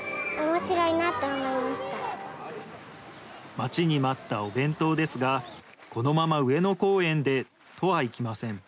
待ちに待ったお弁当ですが、このまま上野公園で、とはいきません。